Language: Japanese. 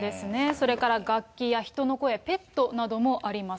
それから楽器や人の声、ペットなどもあります。